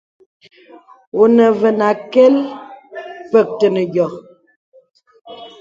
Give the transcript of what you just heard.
Wu nə və akə̀l, pək tənə yɔ̀.